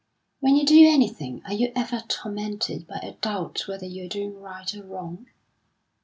"When you do anything, are you ever tormented by a doubt whether you are doing right or wrong?"